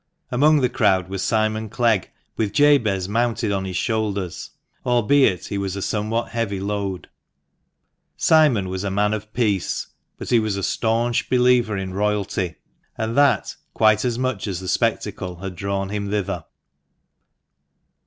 Among the crowd was Simon Clegg, with Jabez mounted on his shoulders, albeit he was a somewhat heavy load. Simon was a man of peace, but he was a staunch believer in Royalty, and that, quite as much as the spectacle, had drawn him thither.